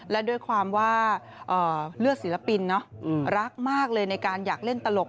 และด้วยความว่าเลือดศิลปินเนาะรักมากเลยในการอยากเล่นตลก